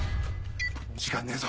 時間ねえぞ。